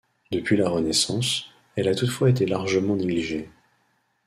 Depuis la Renaissance, elle a toutefois été largement négligée.